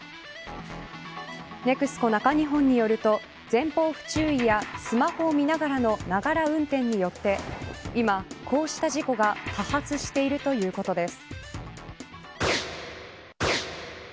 ＮＥＸＣＯ中日本によると前方不注意やスマホを見ながらのながら運転によって今、こうした事故が多発しているということです。